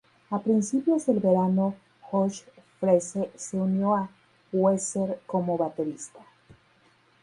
A principios del verano Josh Freese se unió a Weezer como baterista.